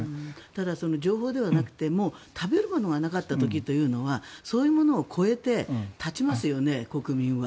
ただ、情報じゃなくて食べるものがなかった時というのはそういうものを超えて立ちますよね、国民は。